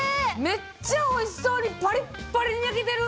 めっちゃおいしそうにパリッパリに焼けてる！